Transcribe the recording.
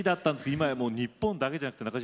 今やもう日本だけじゃなくて中島さん